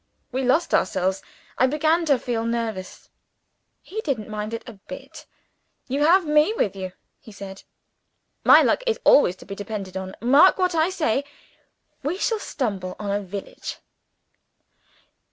_ We lost ourselves. I began to feel nervous. He didn't mind it a bit. 'You have Me with you,' he said; 'My luck is always to be depended on. Mark what I say! We shall stumble on a village!'